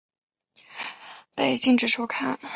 该频道在乌克兰及摩尔多瓦被禁止收看。